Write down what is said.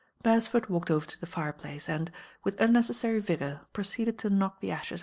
Beresford walked over to the fireplace and, with unnecessary vigour, proceeded to knock the ashes ?